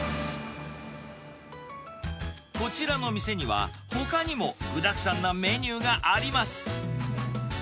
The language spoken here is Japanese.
こちらの店には、ほかにも具だくさんなメニューがあります。